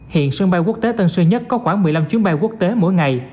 hiện sân bay quốc tế tân sơn nhất có khoảng một mươi năm chuyến bay quốc tế mỗi ngày